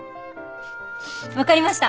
わかりました。